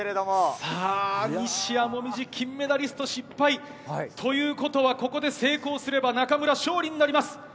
さあ、西矢椛、金メダリスト失敗。ということは、ここで成功すれば、中村勝利になります。